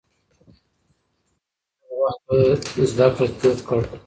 هغې خپل وخت په زده کړه تېر کړ.